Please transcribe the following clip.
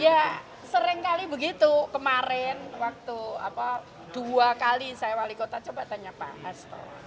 ya seringkali begitu kemarin waktu dua kali saya wali kota coba tanya pak hasto